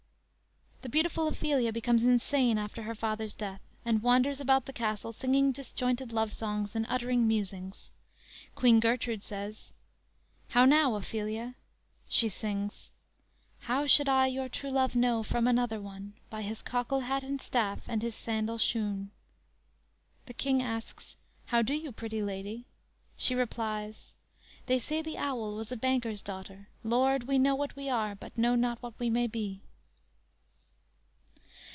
"_ The beautiful Ophelia becomes insane after her father's death, and wanders about the castle singing disjointed love songs and uttering musings. Queen Gertrude says: "How now, Ophelia?" She sings: "How should I your true love know From another one? By his cockle hat and staff And his sandal shoon." The king asks: "How do you do, pretty lady?" She replies: _"They say the owl was a banker's daughter; Lord, we know what we are, but know not what we may be."